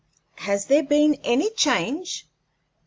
Has there been any change?"